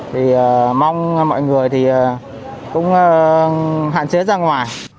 thì mong mọi người thì cũng hạn chế ra ngoài